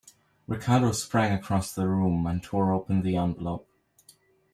Ricardo sprang across the room and tore open the envelope.